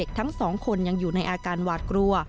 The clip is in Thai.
ทั้งสองคนยังอยู่ในอาการหวาดกลัว